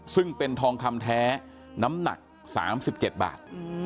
ซึ่งเป็นทองคำแท้น้ำหนัก๓๗บาท